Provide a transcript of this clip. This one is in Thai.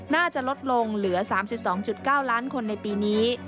น่าจะลดลงเหลือ๓๒๙ล้านคนในปีนี้